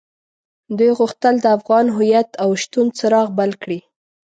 دوی غوښتل د افغان هويت او شتون څراغ بل کړي.